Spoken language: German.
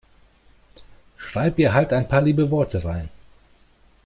Schreib ihr halt ein paar liebe Worte rein.